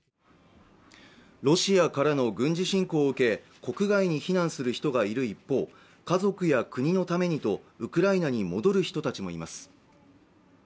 ロシアからの軍事侵攻を受け国外に避難する人がいる一方家族や国のためにとウクライナに戻る人たちもいます